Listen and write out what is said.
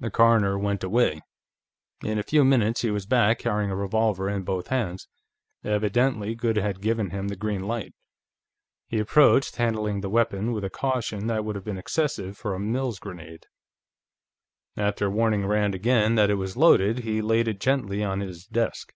The coroner went away. In a few minutes he was back, carrying a revolver in both hands. Evidently Goode had given him the green light. He approached, handling the weapon with a caution that would have been excessive for a Mills grenade; after warning Rand again that it was loaded, he laid it gently on his desk.